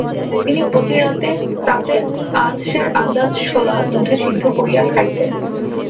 তিনি প্রতিদিন প্রাতে আধ সের আন্দাজ ছোলা দুধে সিদ্ধ করিয়া খাইতেন।